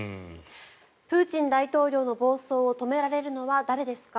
プーチン大統領の暴走を止められるのは誰ですか？